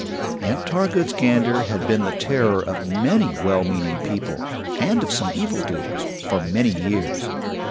Aunt Targood's gander had been the terror of many well meaning people, and of some evildoers, for many years.